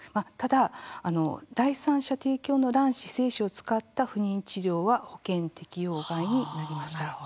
ただ、第三者提供の卵子・精子を使った不妊治療は保険適用外になりました。